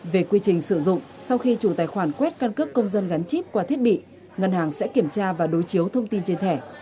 về quy trình sử dụng sau khi chủ tài khoản quét căn cước công dân gắn chip qua thiết bị ngân hàng sẽ kiểm tra và đối chiếu thông tin trên thẻ